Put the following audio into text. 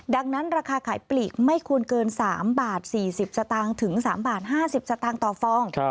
ดังนั้นราคาขายปลีกไม่ควรเกิน๓บาท๔๐สตางค์ถึง๓บาท๕๐สตางค์ต่อฟอง